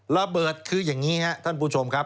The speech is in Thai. ระเบิดคืออย่างนี้ครับท่านผู้ชมครับ